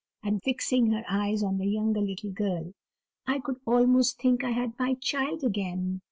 and, fixing her eyes on the younger little girl, "I could almost think I had my child again.